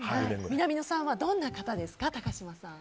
南野さんはどんな方ですか高嶋さん。